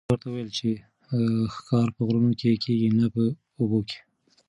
پاچا ورته وویل چې ښکار په غرونو کې کېږي نه په اوبو کې.